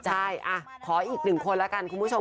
ใช่ขออีกหนึ่งคนแล้วกันคุณผู้ชม